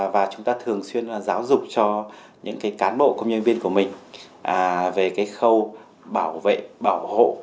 và chúng ta thường xuyên giáo dục cho những cán bộ công nhân viên của mình về cái khâu bảo vệ bảo hộ